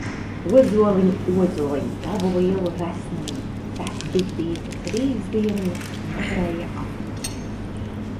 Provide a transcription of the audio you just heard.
Ozoliņ, ozoliņ, Tavu lielu resnumiņu! Tek bitīte trīs dieniņas, Nevarēja aptecēt!